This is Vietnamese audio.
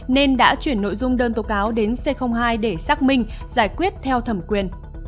nên đã chuyển nội dung đơn tố cáo đến c hai để xác minh giải quyết theo thẩm quyền